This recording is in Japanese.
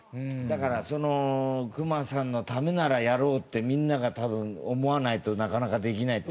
だから隈さんのためならやろうってみんなが多分思わないとなかなかできないって事ですよねきっとね。